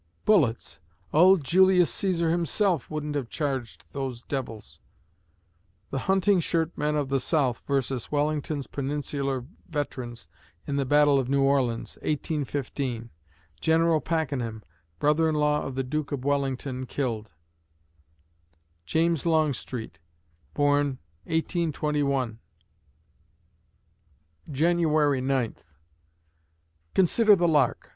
bullets! Auld Julius Caesar himself wouldn't have charged those devils." _The "Hunting Shirt Men" of the South versus Wellington's Peninsular veterans in the Battle of New Orleans, 1815; General Pakenham, brother in law of the Duke of Wellington killed_ James Longstreet born, 1821 January Ninth Consider the lark!